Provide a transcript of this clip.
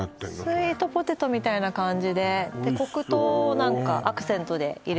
スイートポテトみたいな感じで黒糖を何かアクセントで入れ